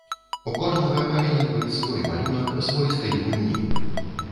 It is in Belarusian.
У кожнага павінен быць свой малюнак, свой стыль гульні.